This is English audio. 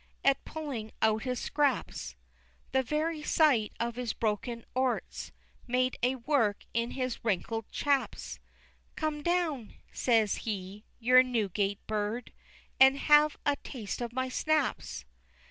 At pulling out his scraps, The very sight of his broken orts Made a work in his wrinkled chaps: "Come down," says he, "you Newgate bird, And have a taste of my snaps!"